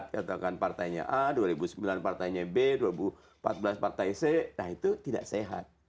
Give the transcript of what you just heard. katakan partainya a dua ribu sembilan partainya b dua ribu empat belas partai c nah itu tidak sehat